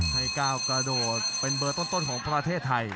ให้ก้าวกระโดดเป็นเบอร์ต้นของประเทศไทย